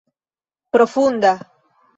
profunda